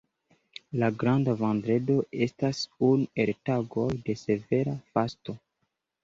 La Granda vendredo estas unu el tagoj de severa fasto.